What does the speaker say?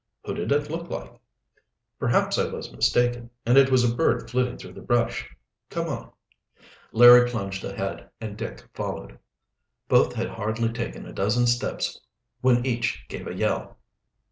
"Who did it look like?" "Perhaps I was mistaken and it was a bird flitting through the brush. Come on." Larry plunged ahead and Dick followed. Both had hardly taken a dozen steps when each gave a yell.